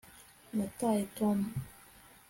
Nataye Tom